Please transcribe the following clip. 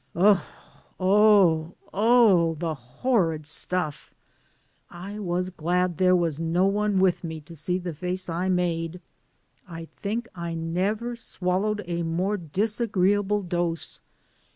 Oh, oh, oh; the horrid stuff. I was glad there was no one with me to see the face I made. I think I never swallowed a more disagreeable dose.